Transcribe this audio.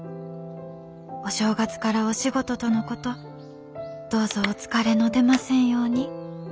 お正月からお仕事とのことどうぞお疲れの出ませんように」。